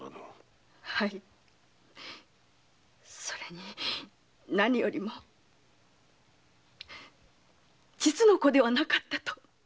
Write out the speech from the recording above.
それに何よりも実の子ではなかったと。